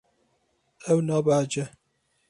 Ew nabehece.